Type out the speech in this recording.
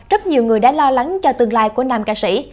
rất nhiều người đã lo lắng cho tương lai của nam ca sĩ